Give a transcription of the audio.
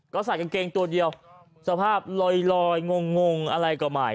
ก็ใส่กางเกงตัวเดียวสภาพลอยงงอะไรก็ใหม่